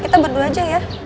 kita berdua aja ya